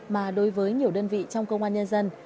mà đối với nhiều đơn vị trong công an nhân dân